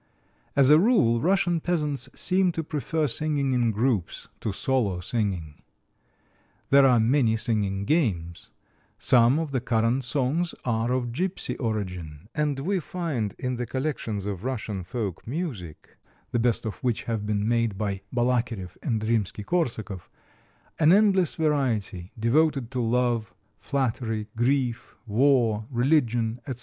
As a rule, Russian peasants seem to prefer singing in groups to solo singing. There are many singing games; some of the current songs are of gypsy origin; and we find in the collections of Russian folk music (the best of which have been made by Balakiref and Rimsky Korsakov) an endless variety, devoted to love, flattery, grief, war, religion, etc.